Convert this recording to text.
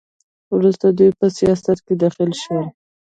وروسته دوی په سیاست کې دخیل شول.